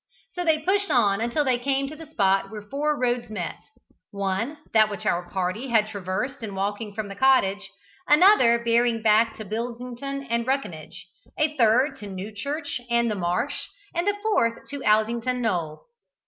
So they pushed on until they came to the spot where four roads met; one, that which our party had traversed in walking from the cottage, another bearing back to Bilsington and Ruckinge, a third to Newchurch and the Marsh, and the fourth to Aldington Knoll.